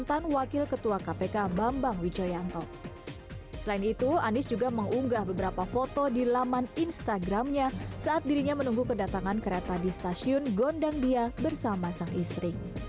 selain itu anies juga mengunggah beberapa foto di laman instagramnya saat dirinya menunggu kedatangan kereta di stasiun gondang dia bersama sang istri